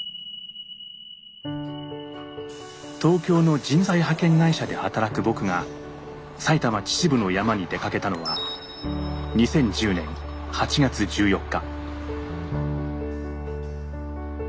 東京の人材派遣会社で働く僕が埼玉・秩父の山に出かけたのは２０１０年８月１４日。